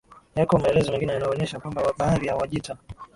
Yako maelezo mengine yanayoonesha kwamba baadhi ya Wajita